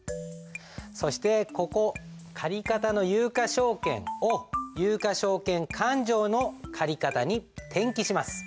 そしてここ借方の有価証券を有価証券勘定の借方に転記します。